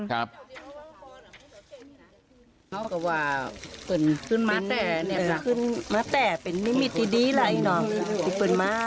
เขาก็ว่าเป็นม้าแต่เป็นมิมิตรดีเลยเนอะ